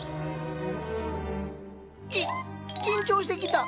き緊張してきた。